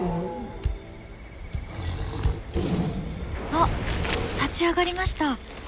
あっ立ち上がりました。